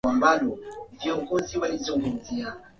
aa madawa hayo yameingia ee kuna wakati ambayo yalikuwa yameingia sana